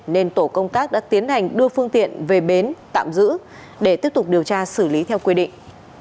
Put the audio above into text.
nên tổ công tác đã tiến hành đưa phương tiện về bến tạm giữ để tiếp tục điều tra xử lý theo quy định